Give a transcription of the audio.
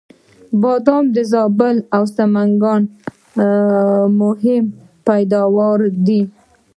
بادام د زابل او سمنګان مهم پیداوار دی